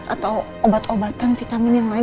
atau obat obatan vitamin yang lain